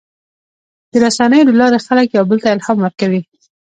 د رسنیو له لارې خلک یو بل ته الهام ورکوي.